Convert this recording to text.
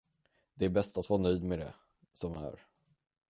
Det är bäst att vara nöjd med det, som är.